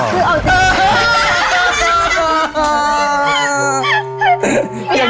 คือเอาจริง